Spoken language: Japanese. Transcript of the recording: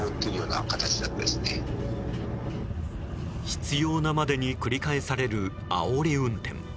執拗なまでに繰り返されるあおり運転。